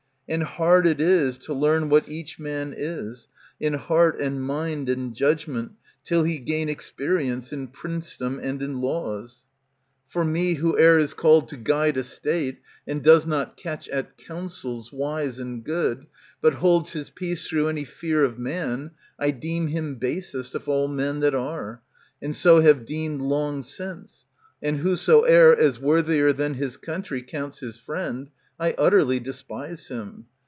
And hard it is to learn what each man is, In heart and mind and judgment, till he gain Experience in princedom and in laws. H7 ANTIGONE For me, whoe'er is called to guide a State, And does not catch at counsels wise and good, But holds his peace through any fear of man, 1 deem him basest of all men that are, And so have deemed long since ; and whosoever As worthier than his country counts his friend, 1 utterly despise him.